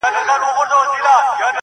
ژوند مي د هوا په لاس کي وليدی.